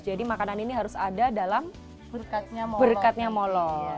jadi makanan ini harus ada dalam berkatnya molok